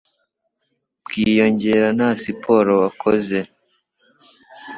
bwiyongera nta siporo wakoze.